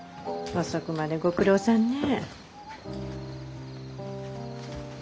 遅くまでご苦労さんね。